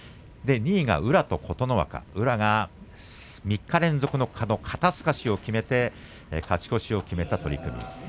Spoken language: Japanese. ２位が宇良と、琴ノ若宇良が３日連続の肩すかしをきめて、勝ち越した一番です。